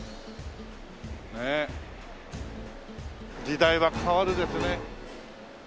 「時代は変わる」ですね。